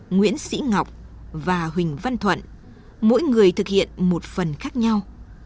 nguyễn sĩ ngọc và huỳnh văn thuận mỗi người thực hiện một phần khác nhau